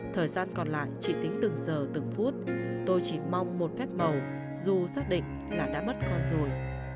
thời gian còn lại chỉ tính từng giờ từng phút tôi chỉ mong một phép màu dù xác định là đã mất con rồi